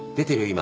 今。